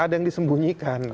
ada yang disembunyikan gitu